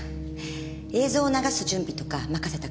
映像を流す準備とか任せたから。